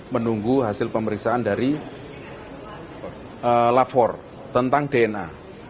menunggu hasil pemeriksaan dari lapor tentang dna